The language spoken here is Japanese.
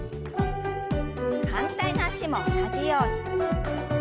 反対の脚も同じように。